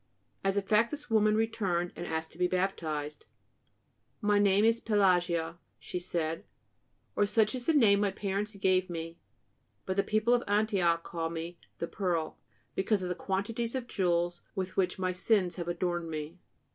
As a fact, this woman returned and asked to be baptized. 'My name is Pelagia,' she said, 'or such is the name my parents gave me, but the people of Antioch call me The Pearl, because of the quantities of jewels with which my sins have adorned me.'